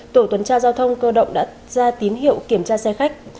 tổ tuần tra giao thông cơ động đã ra tín hiệu kiểm tra xe khách